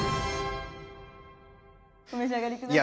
お召し上がり下さい。